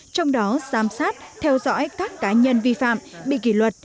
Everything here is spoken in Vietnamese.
trong đó giám sát theo dõi các cá nhân vi phạm bị kỷ luật